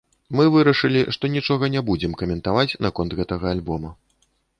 Мы вырашылі, што нічога не будзем каментаваць наконт гэтага альбома.